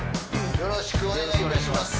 よろしくお願いします。